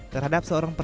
terhadap seorang pencuri